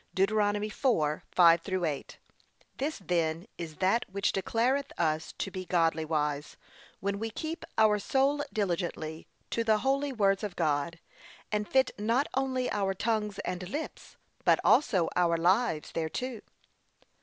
(Deut. 4:5 8) This then is that which declareth us to be godly wise, when we keep our soul diligently to the holy words of God; and fit not only our tongues and lips, but also our lives thereto.